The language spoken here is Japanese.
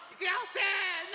せの。